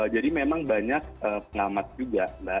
jadi memang banyak pengamat juga